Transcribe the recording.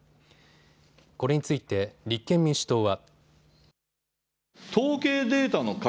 これについて立憲民主党は。